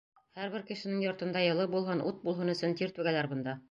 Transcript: Һәр бер кешенең йортонда йылы булһын, ут булһын өсөн тир түгәләр бында.